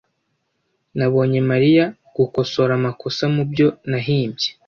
Nabonye Mariya gukosora amakosa mubyo nahimbye.